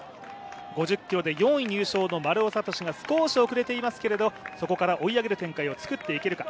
５０ｋｍで４位入賞の丸尾知司が少し遅れていますがそこから追い上げる展開をつくっていけるか。